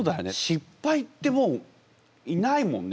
失敗ってもういないもんね